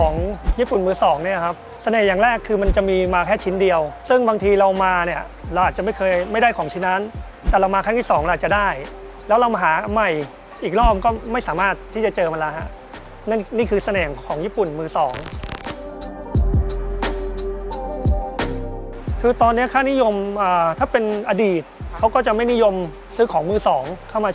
มีสิ่งที่จะให้คุณรู้ว่ามีสิ่งที่จะให้คุณรู้ว่ามีสิ่งที่จะให้คุณรู้ว่ามีสิ่งที่จะให้คุณรู้ว่ามีสิ่งที่จะให้คุณรู้ว่ามีสิ่งที่จะให้คุณรู้ว่ามีสิ่งที่จะให้คุณรู้ว่ามีสิ่งที่จะให้คุณรู้ว่ามีสิ่งที่จะให้คุณรู้ว่ามีสิ่งที่จะให้คุณรู้ว่ามีสิ่งที่จะให้คุณรู้ว่ามีส